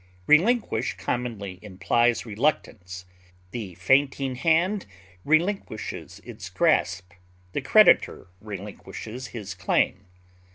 Relinquish commonly implies reluctance; the fainting hand relinquishes its grasp; the creditor relinquishes his claim.